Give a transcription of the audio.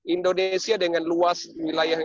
indonesia dengan luas wilayah